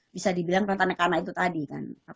bisa dibilang rentanik karena itu tadi kan